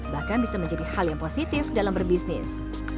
bahkan bisa menjadi hal yang positif dalam berbisnis